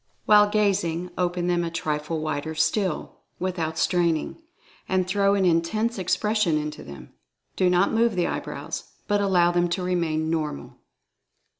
While gazing open them a trifle wider still, without straining, and throw an intense expression into them. Do not move the eyebrows, but allow them to remain normal.